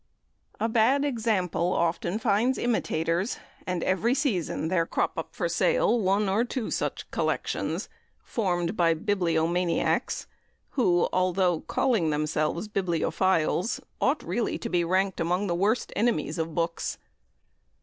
A bad example often finds imitators, and every season there crop up for public sale one or two such collections, formed by bibliomaniacs, who, although calling themselves bibliophiles, ought really to be ranked among the worst enemies of books.